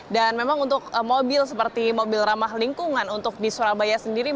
dan memang untuk mobil seperti mobil ramah lingkungan untuk di surabaya sendiri